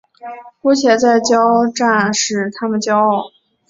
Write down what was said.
姑且再交战使他们骄傲。